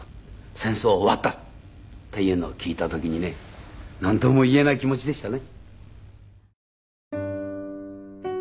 「戦争は終わった」っていうのを聞いた時にねなんともいえない気持ちでしたね。